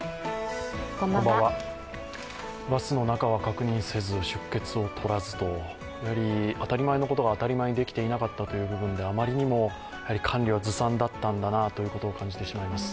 バスの中は確認せず、出欠をとらずと、当たり前のことが当たり前にできていなかったという部分であまりにも管理がずさんだったなということを感じてしまいます。